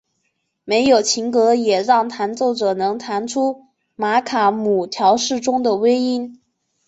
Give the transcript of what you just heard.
没有琴格也让弹奏者能弹出玛卡姆调式中的微音。